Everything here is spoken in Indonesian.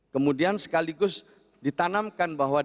kemudian sekaligus ditanamkan bahwa dia juga